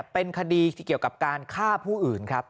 เป็นคดีเกี่ยวกับการฆ่าผู้อื่นครับ